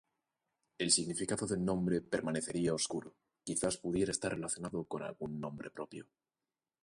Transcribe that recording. El significado del nombre permanecería oscuro, quizás pudiera estar relacionado con algún nombre propio.